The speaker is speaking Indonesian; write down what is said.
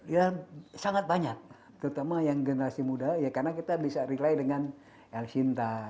ya sangat banyak terutama yang generasi muda ya karena kita bisa recly dengan el sinta